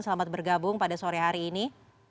selamat bergabung pada sore hari ini